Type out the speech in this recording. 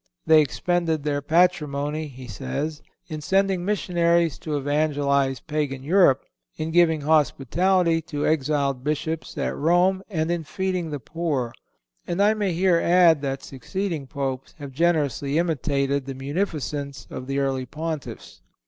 They expended their patrimony, he says, in sending missionaries to evangelize Pagan Europe, in giving hospitality to exiled Bishops at Rome and in feeding the poor. And I may here add that succeeding Popes have generously imitated the munificence of the early Pontiffs.